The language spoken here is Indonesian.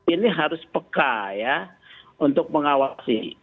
ini harus peka ya untuk mengawasi